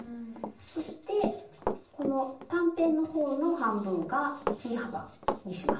そしてこの短辺の方の半分がＣ幅にしますね。